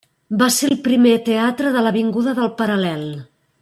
Va ser el primer teatre de l'avinguda del Paral·lel.